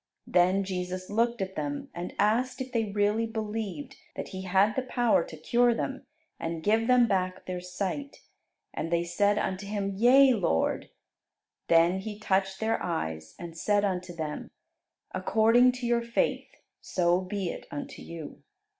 Then Jesus looked at them, and asked if they really believed that He had power to cure them and give them back their sight. And they said unto Him, "Yea, Lord." Then He touched their eyes, and said unto them, "According to your faith, so be it unto you."